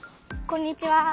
こんにちは。